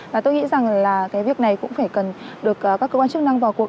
và tôi nghĩ rằng là cái việc này cũng phải cần được các cơ quan chức năng vào cuộc